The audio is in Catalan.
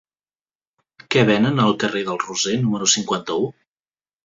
Què venen al carrer del Roser número cinquanta-u?